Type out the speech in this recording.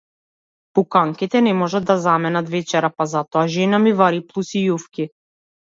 Пуканките не можат да заменат вечера, па затоа жена ми вари плус и јуфки.